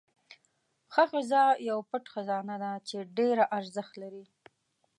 ښه ښځه یو پټ خزانه ده چې ډېره ارزښت لري.